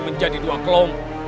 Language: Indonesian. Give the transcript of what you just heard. menjadi dua kelompok